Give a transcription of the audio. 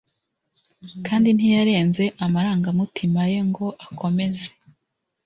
kandi ntiyarinze amarangamutima ye ngo akomeze